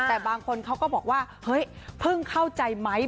แต่บางคนเขาก็บอกว่าเฮ้ยเพิ่งเข้าใจไหม